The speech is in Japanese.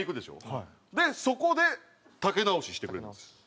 そこで丈直ししてくれます。